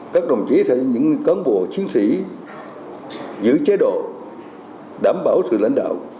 các đồng chí sẽ là những cấn bộ chiến sĩ giữ chế độ đảm bảo sự lãnh đạo